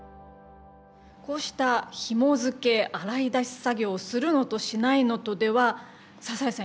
こうしたひも付け洗い出し作業をするのとしないのとでは笹谷さん